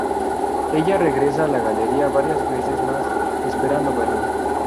Ella regresa a la galería varias veces más, esperando verlo.